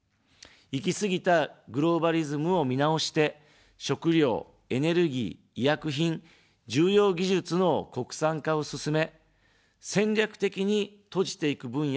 行き過ぎたグローバリズムを見直して、食料、エネルギー、医薬品、重要技術の国産化を進め、戦略的に閉じていく分野を作る。